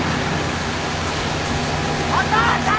お父さん！